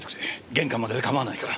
玄関までで構わないから。